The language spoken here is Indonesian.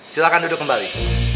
silahkan duduk kembali